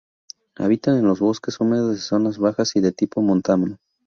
Habita en los bosques húmedos de zonas bajas y de tipo montano.